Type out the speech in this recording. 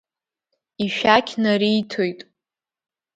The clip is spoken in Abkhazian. Ишәақь нариҭоит.